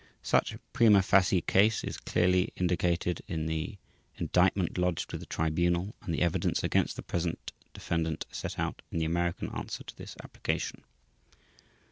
Such prima facie case is clearly indicated in the Indictment lodged with the Tribunal and the evidence against the present defendant set out in the American Answer to this Application.